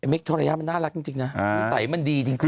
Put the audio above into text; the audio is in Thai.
มิกทรยาบน่ารักจริงนะใส่มันดีจริง